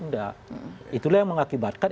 enggak itulah yang mengakibatkan